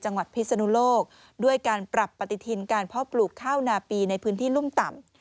จังหวัดพิสนุโลกด้วยการปรับปกติทินการพ่อปลูกข้าวหนาปีในพื้นที่ลุ่มต่ำ